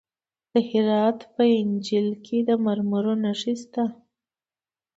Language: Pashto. د هرات په انجیل کې د مرمرو نښې شته.